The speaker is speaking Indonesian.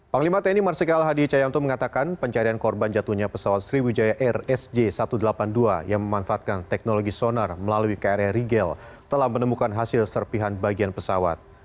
panglima tni marsikal hadi cayanto mengatakan pencarian korban jatuhnya pesawat sriwijaya air sj satu ratus delapan puluh dua yang memanfaatkan teknologi sonar melalui kri rigel telah menemukan hasil serpihan bagian pesawat